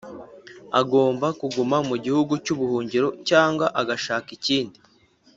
Agomba kuguma mu gihugu cy’ubuhungiro cyanga agashaka ikindi